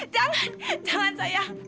jangan jangan sayang